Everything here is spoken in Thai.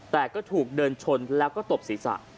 แต่ก็ถูกเดินชนแล้วก็ตบศีรษะ